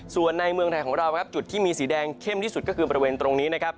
ส่วนในเมืองไทยของเราครับจุดที่มีสีแดงเข้มที่สุดก็คือบริเวณตรงนี้นะครับ